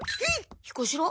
彦四郎？